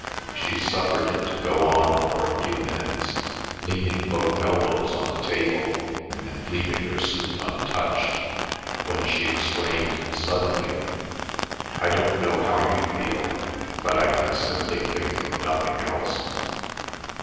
She suffered it to go on for a few minutes, leaning both elbows on the table, and leaving her soup untouched, when she exclaimed suddenly, "I don't know how you feel, but I can simply think of nothing else!"